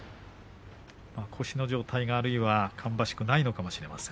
腰の状態があるいは芳しくないのかもしれません。